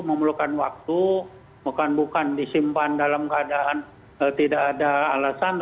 memerlukan waktu bukan bukan disimpan dalam keadaan tidak ada alasan